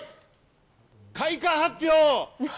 開花発表！